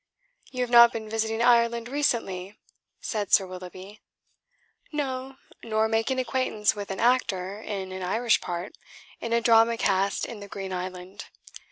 "You have not been visiting Ireland recently?" said Sir Willoughby. "No, nor making acquaintance with an actor in an Irish part in a drama cast in the Green Island.